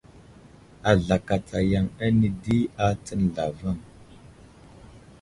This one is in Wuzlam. Azlakatsa yaŋ ane di atsən zlavaŋ.